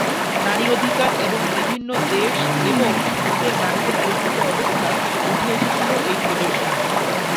নারী অধিকার এবং বিভিন্ন দেশ এবং সমাজের নারীদের প্রকৃত অবস্থা উঠে এসেছিলো এই প্রদর্শনীতে।